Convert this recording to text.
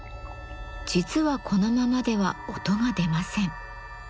実はこのままでは音が出ません。